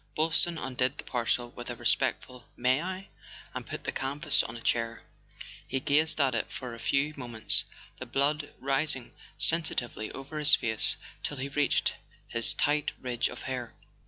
Boylston undid the parcel, with a respectful: "May I?" and put the canvas on a chair. He gazed at it for a few moments, the blood rising sensitively over his face till it reached his tight ridge of hair.